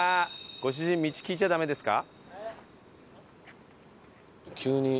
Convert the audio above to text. ご主人道聞いちゃダメですか？